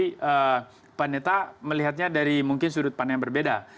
penelitian pemerintah melihatnya dari sudut pandang yang berbeda